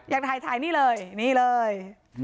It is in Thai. อยากถ่ายนี่เลยนี่เลย